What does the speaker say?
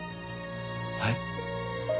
はい？